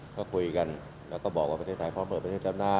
ก็คุยกันแล้วก็บอกว่าประเทศไทยพร้อมเปิดประเทศจำได้